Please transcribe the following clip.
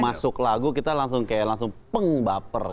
masuk lagu kita langsung kayak langsung peng baper